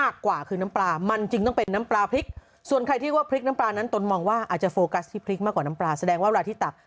กว่าคือน้ำปลามันจึงต้องเป็นน้ำปลาพริกส่วนใครที่ว่าพริกน้ำปลานั้นตนมองว่าอาจจะโฟกัสที่พริกมากกว่าน้ำปลาแสดงว่าเวลาที่ตัก